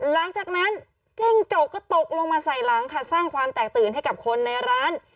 หลังจากนั้นจิ้งจกก็ตกลงมาใส่หลังค่ะสร้างความแตกตื่นให้กับคนในร้าน